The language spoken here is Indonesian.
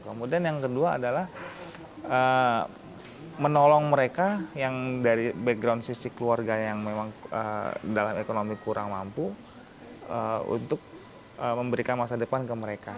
kemudian yang kedua adalah menolong mereka yang dari background sisi keluarga yang memang dalam ekonomi kurang mampu untuk memberikan masa depan ke mereka